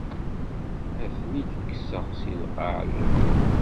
Ad ten-id-kkseɣ si lqaɛ n lebḥer.